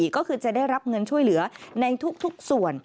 ก็คือจะได้รับเงินช่วยเหลือในทุกส่วน